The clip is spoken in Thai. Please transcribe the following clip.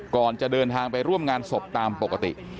ก่อนจะเดินทางไปร่วมงานศพตามปกติ